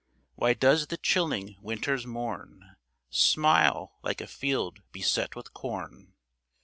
Why does the chilling winter's morne Smile like a field beset with corn?